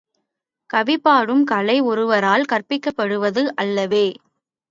கவி பாடும் கலை ஒருவரால் கற்பிக்கப்படுவது அல்லவே.